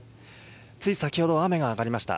つい先ほど雨が上がりました。